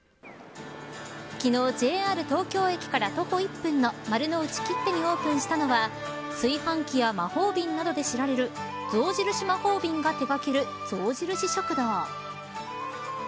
昨日、ＪＲ東京駅から徒歩１分の丸の内ＫＩＴＴＥにオープンしたのは炊飯器や魔法瓶などで知られる象印マホービンが手掛ける象印食堂。